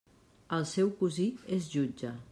El seu cosí és jutge.